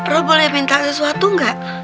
roh boleh minta sesuatu nggak